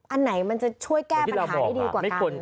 อันไหนมันจะช่วยแก้ปัญหาได้ดีกว่ากัน